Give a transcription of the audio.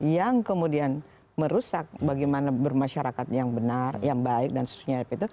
yang kemudian merusak bagaimana bermasyarakat yang benar yang baik dan seterusnya